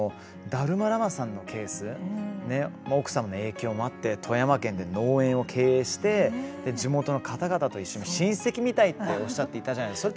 ダルマ・ラマさんのケース、奥様の影響もあって富山県で農園を経営して地元の方々と一緒に親戚みたいっておっしゃっていたじゃないですか。